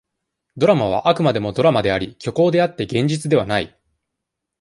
ドラマは、あくまでもドラマであり、虚構であって、現実ではない。